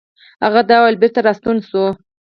هغه دا وويل او بېرته راستون شو.